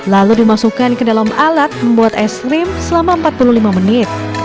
lalu dimasukkan ke dalam alat membuat es krim selama empat puluh lima menit